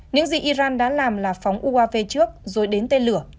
những gì iran đã làm là phóng uav trước rồi đến tên lửa